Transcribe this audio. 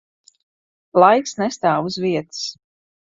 Laiks nestāv uz vietas.